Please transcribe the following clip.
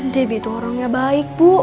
debbie tuh orangnya baik bu